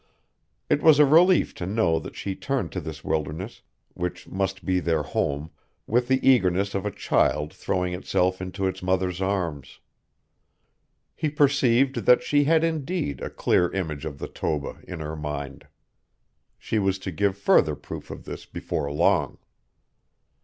It was a relief to know that she turned to this wilderness which must be their home with the eagerness of a child throwing itself into its mother's arms. He perceived that she had indeed a clear image of the Toba in her mind. She was to give further proof of this before long.